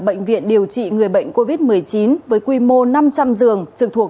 bệnh viện điều trị người bệnh covid một mươi chín với quy mô năm trăm linh giường trực thuộc